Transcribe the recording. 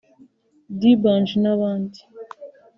D’banj n’abandi